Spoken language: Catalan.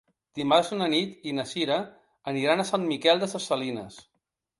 Dimarts na Nit i na Cira aniran a Sant Miquel de les Salines.